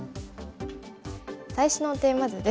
最初のテーマ図です。